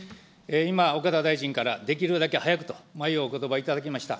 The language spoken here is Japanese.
今、岡田大臣からできるだけ早くというおことばをいただきました。